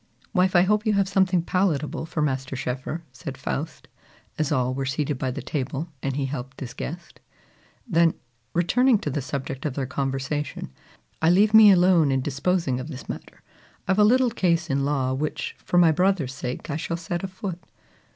"Wife, I hope you have something palatable for Master Schoeffer," said Faust, as all were seated by the table, and he helped his guest. Then, returning to the subject of their conversation, "Aye, leave me alone in disposing of this matter. I've a little case in law, which, for my brother's sake, I shall set afoot.